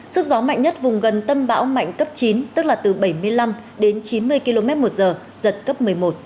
sức gió mạnh nhất vùng gần tâm bão mạnh cấp chín tức là từ bảy mươi năm đến chín mươi km một giờ giật cấp một mươi một